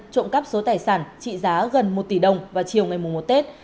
trộm cắp số tài sản trị giá gần một tỷ đồng vào chiều ngày mùa một tết